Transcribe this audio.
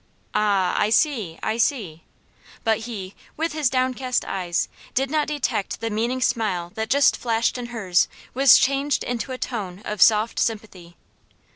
"Ah I see! I see!" But he, with his downcast eyes, did not detect the meaning smile that just flashed in hers was changed into a tone of soft sympathy.